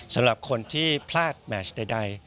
สำหรับคนที่พลาดแมชใด